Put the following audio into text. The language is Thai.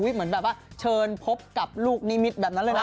เหมือนแบบว่าเชิญพบกับลูกนิมิตแบบนั้นเลยนะ